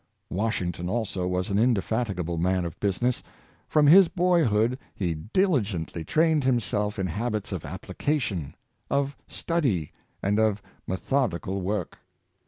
Washington, also, was an indefatigable maa of busi ness. From his boyhood he diligently trained himself in habits of application, of study, and of methodical work.